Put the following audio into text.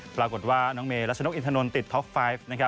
ปรากฏว่าน้องเมรัชนกอินทนนท์ติดท็อปไฟฟ์